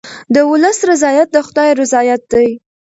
د ولس رضایت د خدای رضایت دی.